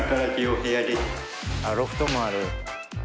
あロフトもある。